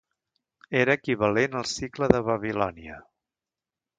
Era equivalent al sicle de Babilònia.